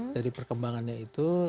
dari perkembangannya itu